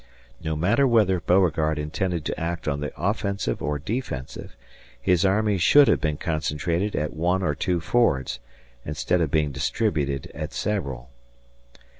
No matter whether Beauregard intended to act on the offensive or defensive, his army should have been concentrated at one or two fords, instead of being distributed at several.